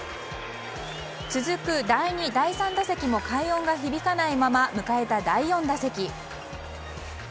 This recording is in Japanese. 続く第２、第３打席も快音が響かないまま迎えた第４打席。